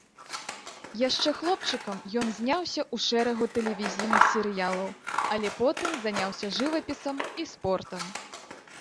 Яшчэ хлопчыкам ён зняўся ў шэрагу тэлевізійных серыялаў, але потым заняўся жывапісам і спортам.